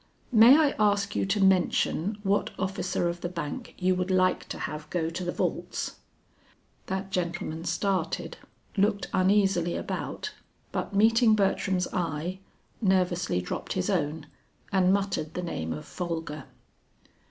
"May I ask you to mention what officer of the bank you would like to have go to the vaults?" That gentleman started, looked uneasily about, but meeting Bertram's eye, nervously dropped his own and muttered the name of Folger.